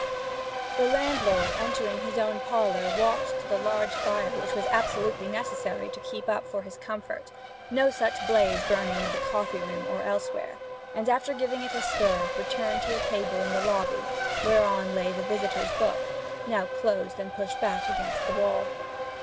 The landlord, entering his own parlour, walked to the large fire which it was absolutely necessary to keep up for his comfort, no such blaze burning in the coffee room or elsewhere, and after giving it a stir returned to a table in the lobby, whereon lay the visitors' book now closed and pushed back against the wall.